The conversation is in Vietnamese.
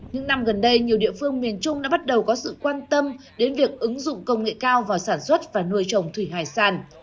những năm gần đây nhiều địa phương miền trung đã bắt đầu có sự quan tâm đến việc ứng dụng công nghệ cao vào sản xuất và nuôi trồng thủy hải sản